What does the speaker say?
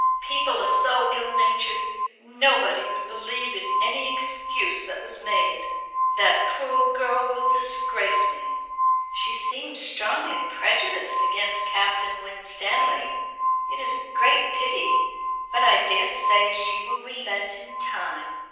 "People are so ill natured. Nobody would believe in any excuse that was made. That cruel girl will disgrace me." "She seems strongly prejudiced against Captain Winstanley. It is a great pity. But I daresay she will relent in time.